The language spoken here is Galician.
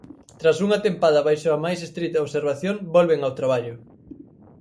Tras unha tempada baixo a máis estrita observación volven ao traballo.